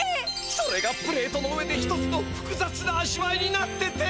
それがプレートの上で一つのふくざつな味わいになってて。